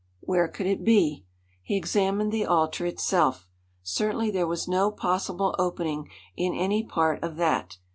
Where could it be? He examined the altar itself. Certainly there was no possible opening in any part of that.